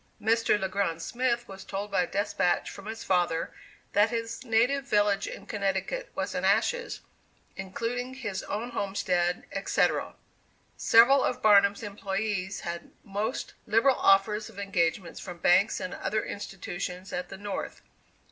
Mr. Le Grand Smith was told by a despatch from his father that his native village in Connecticut was in ashes, including his own homestead, etc. Several of Barnum's employees had most liberal offers of engagements from banks and other institutions at the North.